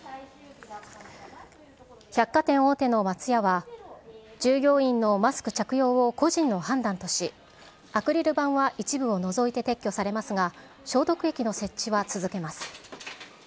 百貨店大手の松屋は、従業員のマスク着用を個人の判断とし、アクリル板は一部を除いて撤去されますが、消毒液の設置は続けます。